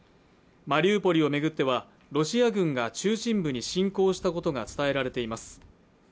マリウポリを巡っては、ロシア軍が中心部に侵攻したことが伝えられています。